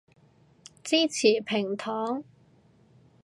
支持躺平